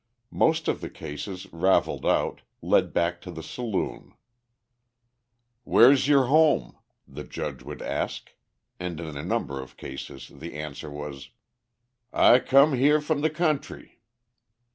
Most of the cases, ravelled out, led back to the saloon. "Where's your home?" the judge would ask, and in a number of cases the answer was: "Ah come here fum de country."